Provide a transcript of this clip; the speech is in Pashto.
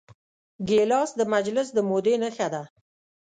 ګیلاس د مجلس د مودې نښه ده.